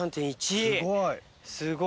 すごい。